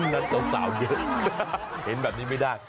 นั้นสาวเยอะเห็นแบบนี้ไม่ได้